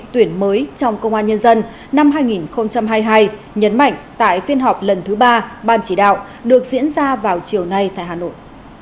tuyển mới trong công an nhân dân năm hai nghìn hai mươi hai nhấn mạnh tại phiên họp lần thứ ba ban chỉ đạo được diễn ra vào chiều nay tại hà nội